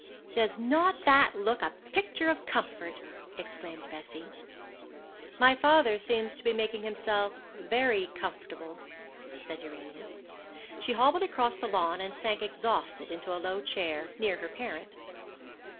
'Does not that look a picture of comfort?' exclaimed Bessie. 'My father seems to be making himself very comfortable,' said Urania. She hobbled across the lawn, and sank exhausted into a low chair, near her parent.